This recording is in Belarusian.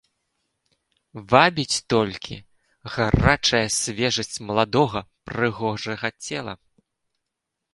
Вабіць толькі гарачая свежасць маладога прыгожага цела.